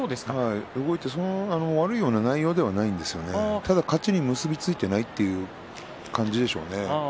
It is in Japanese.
そんな悪いような内容ではないですが勝ちに結び付いていないっていう感じでしょうね。